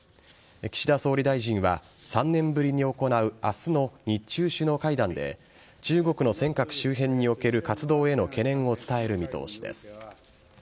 岸田総理大臣は３年ぶりに行う明日の日中首脳会談で中国の尖閣周辺における活動への懸念を伝える見通しです。